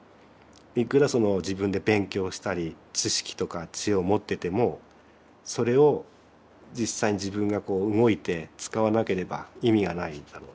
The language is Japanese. いくら自分で勉強したり知識とか知恵を持っててもそれを実際に自分が動いて使わなければ意味がないだろうと。